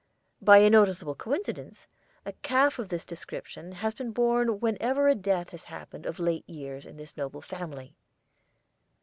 By a noticeable coincidence, a calf of this description has been born whenever a death has happened of late years in this noble family."